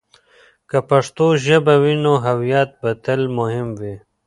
که پښتو ژبه وي، نو هویت به تل مهم وي.